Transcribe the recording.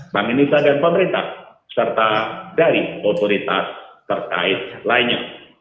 pemerintah serta dari otoritas terkait lainnya